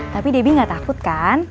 tapi debbie gak takut kan